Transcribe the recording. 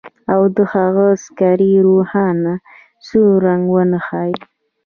او د هغه سکرین روښانه سور رنګ ونه ښيي